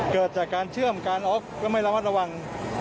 เกิดจากการเชื่อมการออกมาไม่ค่อยระวัง